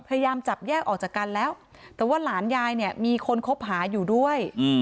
พยายามจับแยกออกจากกันแล้วแต่ว่าหลานยายเนี่ยมีคนคบหาอยู่ด้วย